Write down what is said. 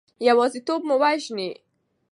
یوازیتوب مو وژني.